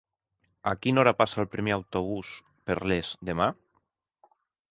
A quina hora passa el primer autobús per Les demà?